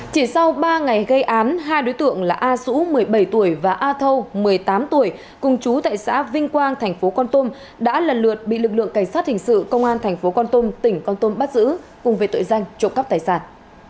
chỉ sau ba ngày gây án hai đối tượng là a sũ một mươi bảy tuổi và a thâu một mươi tám tuổi cùng chú tại xã vinh quang tp con tôm đã lần lượt bị lực lượng cảnh sát hình sự công an tp con tôm tỉnh con tôm bắt giữ cùng về tội danh trộm cắp tài sản